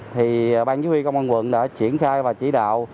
thì bang chí huy công an quận đã triển khai và chỉ đạo